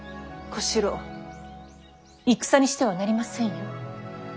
小四郎戦にしてはなりませんよ。